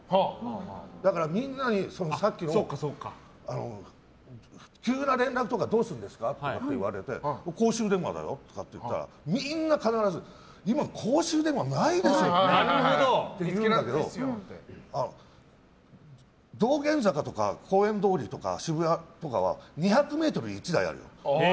だからみんなにさっきの急な連絡とかどうするんですか？って言われて公衆電話って言ったらみんな必ず、今って公衆電話ないでしょ？って言うんだけど道玄坂とか公園通りとか渋谷とかは２００ｍに１台ある。